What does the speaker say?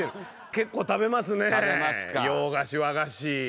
結構食べますね洋菓子和菓子。